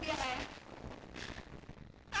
aisyah dia kaya